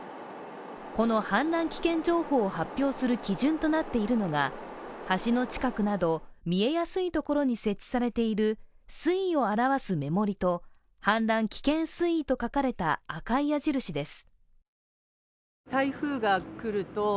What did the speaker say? この氾濫危険情報を発表する基準となっているのが、橋の近くなど見えやすいところに設置されている水位を表す目盛りと氾濫危険水位と書かれた赤い矢印です。